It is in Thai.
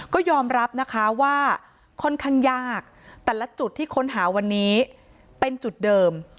ก็ยอมรับนะคะว่าค่อนข้างยากแต่ละจุดที่ค้นหาวันนี้เป็นจุดเดิม